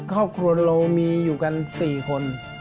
ครอบครัวเรามีอยู่กัน๔คน